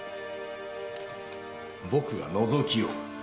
僕がのぞきを？